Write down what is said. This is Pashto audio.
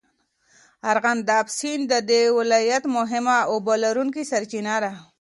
ارغنداب سیند د دې ولایت مهمه اوبهلرونکې سرچینه ده.